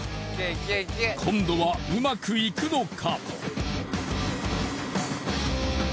今度はうまくいくのか？